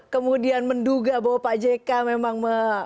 kemudian menduga bahwa pak jk memang